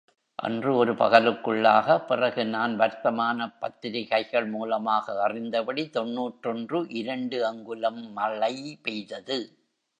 அன்று ஒரு பகலுக்குள்ளாக, பிறகு நான் வர்த்தமானப் பத்திரிகைகள் மூலமாக அறிந்தபடி தொன்னூற்றொன்று இரண்டு அங்குலம் மழை பெய்தது!